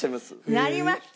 なりました！